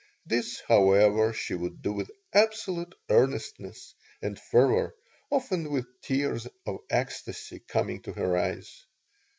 This, however, she would do with absolute earnestness and fervor, often with tears of ecstasy coming to her eyes.